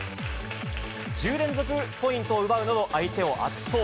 １０連続ポイントを奪うなど、相手を圧倒。